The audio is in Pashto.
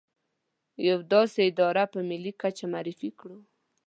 يوه داسې اداره په ملي کچه معرفي کړو.